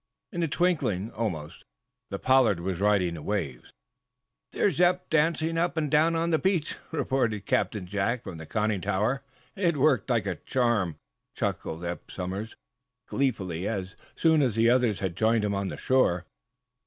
In a twinkling, almost, the "Pollard" was riding the waves. "There's Eph, dancing up and down on the beach," reported Captain Jack, from the conning tower. "It worked like a charm," chuckled Eph Somers, gleefully, as soon as the others had joined him on shore.